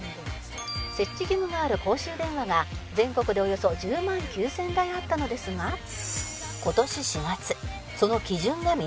「設置義務がある公衆電話が全国でおよそ１０万９０００台あったのですが今年４月その基準が見直しに」